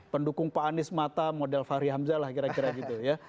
pendukung pak anies mata model fahri hamzah lah kira kira gitu ya